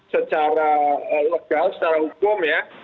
secara legal secara hukum ya